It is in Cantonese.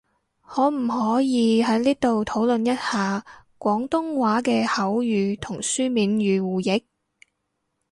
可唔可以喺呢度討論一下，廣東話嘅口語同書面語互譯？